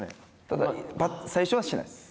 ただ最初はしないです。